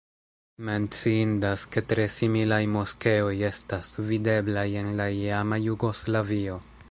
Menciindas, ke tre similaj moskeoj estas videblaj en la iama Jugoslavio.